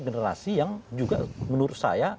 generasi yang juga menurut saya